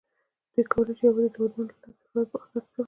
دوی کولی شي یوازې د اردن له لارې بهر ته سفر وکړي.